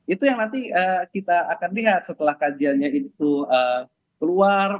itu yang nanti kita akan lihat setelah kajiannya itu keluar